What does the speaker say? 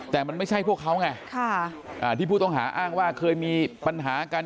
แต่มันไม่ใช่พวกเขาไงที่ผู้ต้องหาอ้างว่าเคยมีปัญหากัน